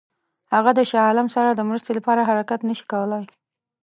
هغه د شاه عالم سره د مرستې لپاره حرکت نه شي کولای.